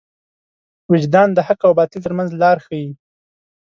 وجدان د حق او باطل تر منځ لار ښيي.